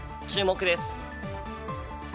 注目です。